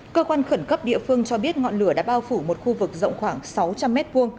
cơ quan khẩn cấp địa phương cho biết ngọn lửa đã bao phủ một khu vực rộng khoảng sáu trăm linh m hai